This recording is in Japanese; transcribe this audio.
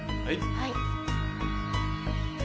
はい。